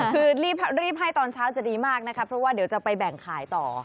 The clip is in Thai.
คือรีบให้ตอนเช้าจะดีมากนะคะเพราะว่าเดี๋ยวจะไปแบ่งขายต่อ